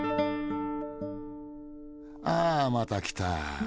あまた来た！